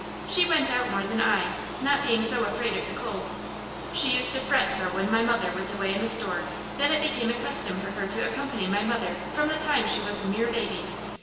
She went out more than I, not being so afraid of the cold. She used to fret so when my mother was away in the store that it became a custom for her to accompany my mother from the time she was a mere baby.